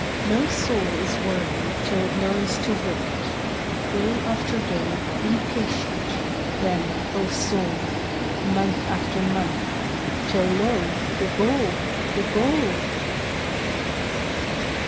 No soul is worthy till it learns to wait. Day after day be patient, then, oh, soul; Month after month—till, lo! the goal! the goal!